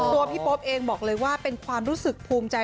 พี่โป๊ปเองบอกเลยว่าเป็นความรู้สึกภูมิใจ